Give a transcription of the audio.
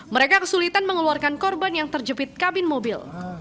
mereka kesulitan mengeluarkan korban yang terjepit kabin mobil